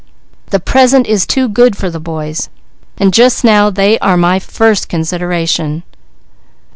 The present is too good for the boys, and now they are my first consideration."